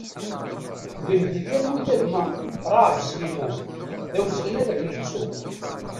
Gen di talwit a gma Raab Sliman, d awezɣi ad k-nettu!